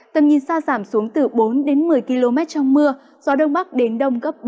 tầm nhìn xa giảm xuống từ bốn đến một mươi km trong mưa gió đông bắc đến đông cấp bốn